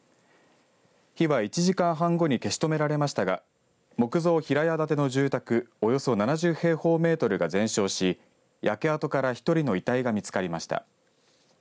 火は１時間半後に消し止められましたが木造平屋建ての住宅およそ７０平方メートルが全焼し焼け跡から１人の遺体が見つかりました。